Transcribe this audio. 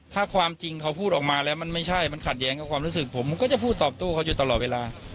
ถ้าความจริงเขาพูดออกมาแล้วมันไม่ใช่มันขัดแย้งกับความรู้สึกผมก็จะพูดตอบโต้เขาอยู่ตลอดเวลา